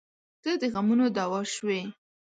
• ته د غمونو دوا شوې.